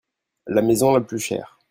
La maison la plus chère.